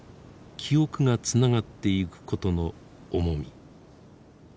記憶がつながってゆくことの重み。